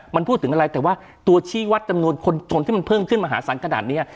มันพูดถึงอะไรแต่ว่าตัวชี้วัดจำนวนคนชนที่มันเพิ่มขึ้นมหาศาลขนาดนี้